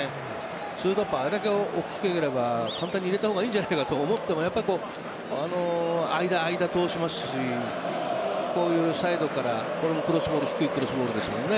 ２トップ、あれだけ大きければカウンターに出た方がいいんじゃないかと思っても間、間、通しますしこういうサイドからクロスボール低いクロスボールですよね。